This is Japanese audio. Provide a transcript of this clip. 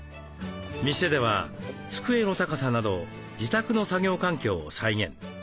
店では机の高さなど自宅の作業環境を再現。